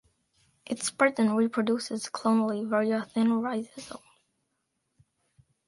It spreads and reproduces clonally via thin rhizomes.